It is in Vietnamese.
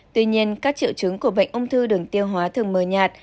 tuy nhiên các triệu chứng của bệnh ung thư đường tiêu hóa thường mờ nhạt